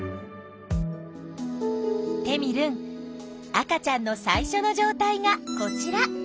テミルン赤ちゃんの最初の状態がこちら。